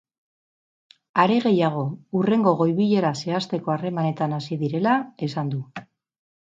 Are gehiago, hurrengo goi-bilera zehazteko harremanetan hasi direla esan du.